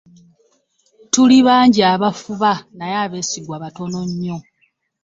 Tuli bangi abafuba naye abeesigwa batono nnyo.